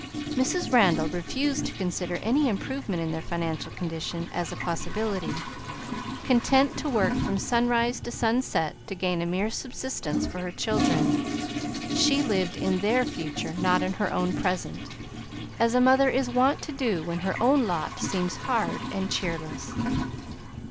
Mrs. Randall refused to consider any improvement in their financial condition as a possibility. Content to work from sunrise to sunset to gain a mere subsistence for her children, she lived in their future, not in her own present, as a mother is wont to do when her own lot seems hard and cheerless.